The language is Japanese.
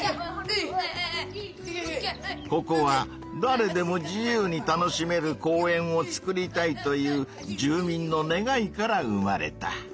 ここは「だれでも自由に楽しめる公園をつくりたい」という住民の願いから生まれた。